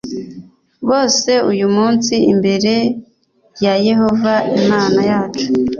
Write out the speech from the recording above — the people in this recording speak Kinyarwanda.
bose uyu munsi imbere ya yehova imana yacu